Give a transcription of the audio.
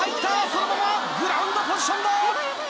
そのままグラウンドポジションだ！